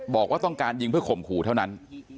บอกว่าต้องการยิงเพื่อข่มขู่เท่านั้น